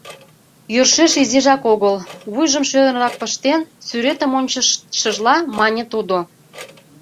— Йӧршеш изижак огыл… — вуйжым шӧрынрак ыштен, сӱретым ончыштшыжла, мане тудо.